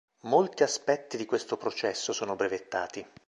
Molti aspetti di questo processo sono brevettati.